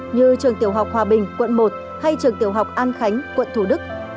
như trường tiểu học hòa bình quận một hay trường tiểu học an khánh quận thủ đức